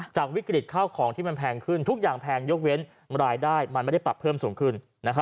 จากวิกฤตข้าวของที่มันแพงขึ้นทุกอย่างแพงยกเว้นรายได้มันไม่ได้ปรับเพิ่มสูงขึ้น